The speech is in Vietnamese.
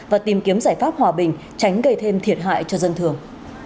và tìm kiếm giải pháp hòa bình tránh gây thêm thiệt hại cho dân thường